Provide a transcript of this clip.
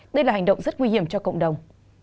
đây là hành động rất nguy hiểm cho cộng đồng